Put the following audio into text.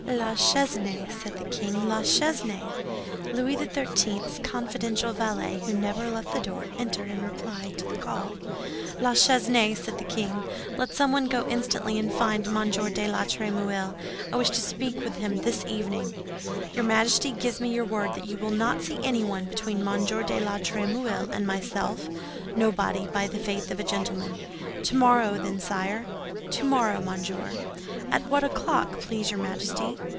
"La Chesnaye," said the king. "La Chesnaye!" Louis XIII.'s confidential valet, who never left the door, entered in reply to the call. "La Chesnaye," said the king, "let someone go instantly and find Monsieur de la Trémouille; I wish to speak with him this evening." "Your Majesty gives me your word that you will not see anyone between Monsieur de la Trémouille and myself?" "Nobody, by the faith of a gentleman." "Tomorrow, then, sire?" "Tomorrow, monsieur." "At what o'clock, please your Majesty?"